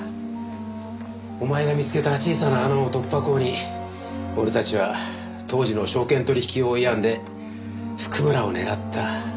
お前が見つけた小さな穴を突破口に俺たちは当時の証券取引法違反で譜久村を狙った。